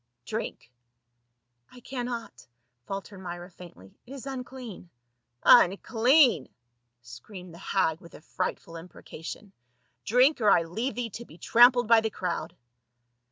" Drink." "I cannot," faltered Myra faintly, "it is unclean." "Unclean!" screamed the hag with a frightful im precation. " Drink, or I leave thee to be trampled by the crowd